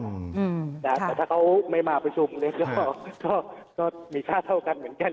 แต่ถ้าเขาไม่มาประชุมเนี่ยก็มีค่าเท่ากันเหมือนกัน